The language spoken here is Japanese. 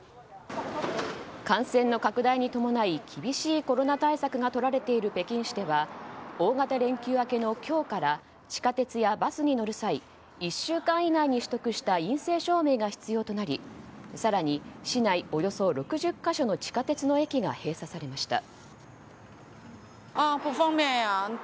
感染の拡大に伴い厳しいコロナ対策がとられている北京市では大型連休明けの今日から地下鉄やバスに乗る際１週間以内に取得した陰性証明が必要となり更に、市内およそ６０か所の地下鉄の駅が閉鎖されました。